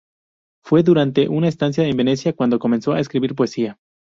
Fue durante una estancia en Venecia cuando comenzó a escribir poesía.